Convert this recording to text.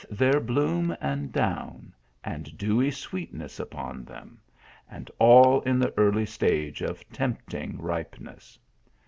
their bloom and down, and dewy sweetness upon them, and all in the early stage of tempting ripeness.